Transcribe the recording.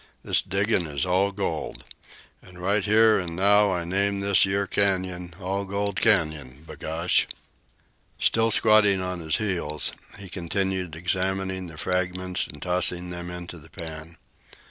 This diggin' is All Gold. An' right here an' now I name this yere canyon 'All Gold Canyon,' b' gosh!" Still squatting on his heels, he continued examining the fragments and tossing them into the pan.